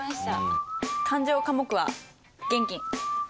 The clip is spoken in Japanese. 勘定科目は現金。